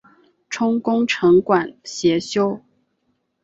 充功臣馆协修。